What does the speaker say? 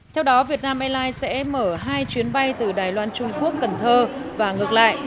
theo đó vietnam airlines sẽ mở hai chuyến bay từ đài loan trung quốc cần thơ và ngược lại